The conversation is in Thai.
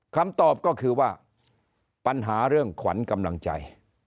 คำตอบก็คือว่าปัญหาเรื่องขวัญกำลังใจ